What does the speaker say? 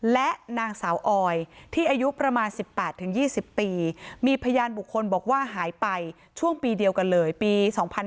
และนางสาวออยที่อายุประมาณ๑๘๒๐ปีมีพยานบุคคลบอกว่าหายไปช่วงปีเดียวกันเลยปี๒๕๕๙